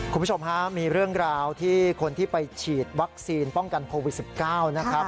คุณผู้ชมฮะมีเรื่องราวที่คนที่ไปฉีดวัคซีนป้องกันโควิด๑๙นะครับ